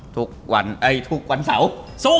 ทุกวันเอ้ยทุกวันเสาร์